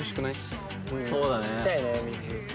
ちっちゃいね水